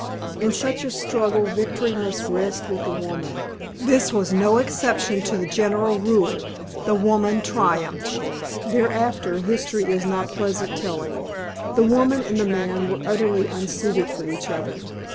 In such a struggle victory must rest with the woman. This was no exception to the general rule. The woman triumphed. "Their after history is not pleasant telling. The woman and the man were utterly unsuited for each other.